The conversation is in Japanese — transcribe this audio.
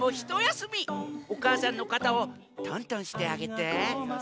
おかあさんのかたをとんとんしてあげて。